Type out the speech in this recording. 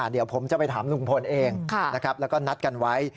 เดี๋ยวผมจะไปถามลุงพลเองนะครับแล้วก็นัดกันไว้